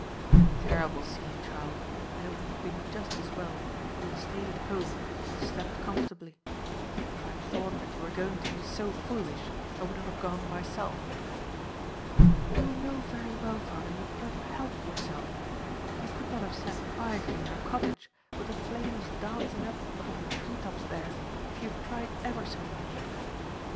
"A terrible scene, child, and it would have been just as well if you had stayed at home and slept comfortably. If I had thought that you were going to be so foolish, I would not have gone myself." "You know very well, father, you could not have helped yourself. You could not have sat quietly in our cottage with the flames dancing up above the tree tops there, if you had tried ever so much.